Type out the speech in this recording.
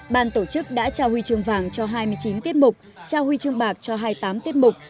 ban tổ chức đã trao huy chương vàng cho hai mươi chín tiết mục trao huy chương bạc cho hai mươi tám tiết mục